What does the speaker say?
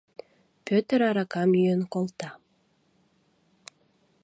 Пӧтыр аракам йӱын колта.